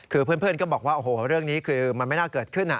คือเพื่อนก็บอกว่าโอ้โหเรื่องนี้คือมันไม่น่าเกิดขึ้น